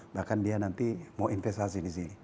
bahkan dia nanti mau investasi di sini